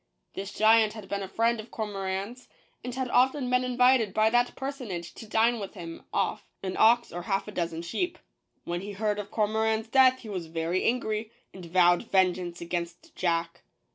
This giant had been a friend of Cormoran's, and had often been invited by that personage to dine with him off an ox or half a dozen sheep. When he heard of Cormoran's death he was very angry, and vowed vengeance against Jack.